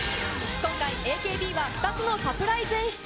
今回、ＡＫＢは２つのサプライズ演出。